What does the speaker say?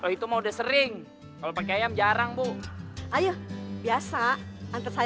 itu sebelakang mobil tuh